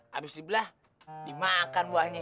habis dibelah dimakan buahnya